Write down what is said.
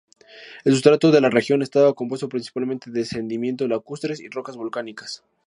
El sustrato de la región estaba compuesto principalmente de sedimentos lacustres y rocas volcánicas.